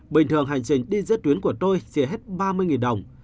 bình thường hành trình đi giữa tuyến của tôi xìa hết ba mươi đồng